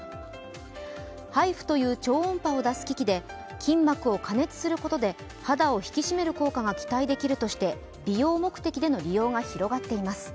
ＨＩＦＵという超音波を出す機器で筋膜を加熱することで肌を引き締める効果が期待できるとして美容目的での利用が広がっています。